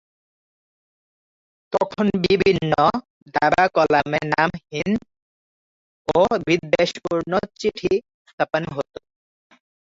তখন বিভিন্ন দাবা কলামে নামহীন ও বিদ্বেষপূর্ণ চিঠি ছাপানো হতো।